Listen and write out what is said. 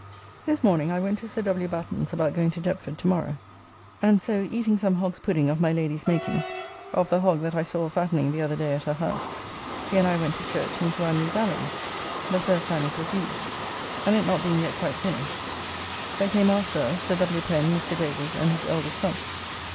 This morning I went to Sir W. Batten's about going to Deptford to morrow, and so eating some hog's pudding of my Lady's making, of the hog that I saw a fattening the other day at her house, he and I went to Church into our new gallery, the first time it was used, and it not being yet quite finished, there came after us Sir W. Pen, Mr. Davis, and his eldest son.